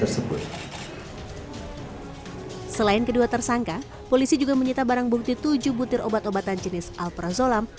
selain kedua tersangka polisi juga menyita barang bukti tujuh butir obat obatan jenis alprazolam